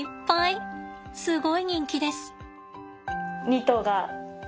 すごい人気です。